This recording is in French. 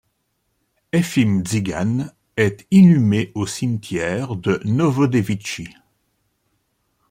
Efim Dzigan est inhumé au cimetière de Novodevitchi.